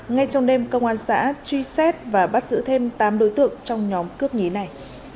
ngay trong đêm công an xã truy xét và bắt giữ thêm tám đối tượng trong nhóm cướp nhí này